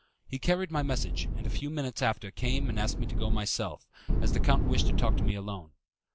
He carried my message, and a few minutes after came and asked me to go myself, as the count wished to talk to me alone.